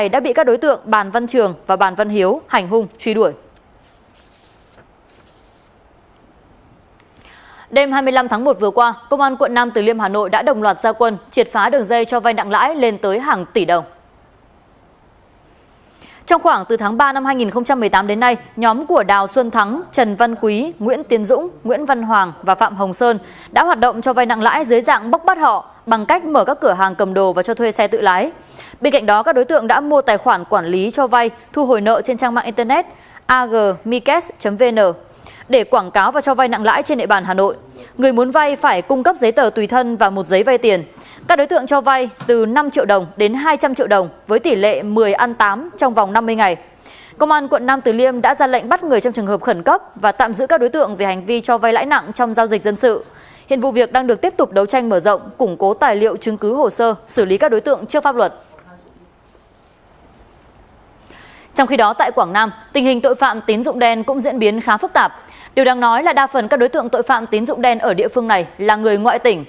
điều đang nói là đa phần các đối tượng tội phạm tín dụng đen ở địa phương này là người ngoại tỉnh